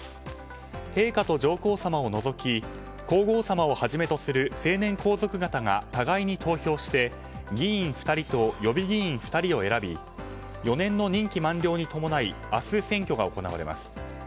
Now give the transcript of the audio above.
陛下と上皇さまを除き皇后さまをはじめとする成年皇族方が互いに投票して議員２人と予備議員２人を選び４年の任期満了に伴い明日選挙が行われます。